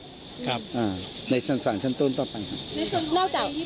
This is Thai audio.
แล้วคุณครูประเด็นที่บอกว่าจะยิ่งอุทธรณ์สรรค์อุทธรณ์ในประเด็นอะไรครับ